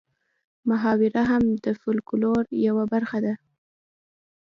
محاوره هم د فولکلور یوه برخه ده